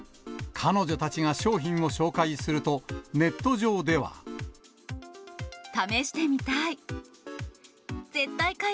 彼女たちが商品を紹介すると、ネット上では。試してみたい。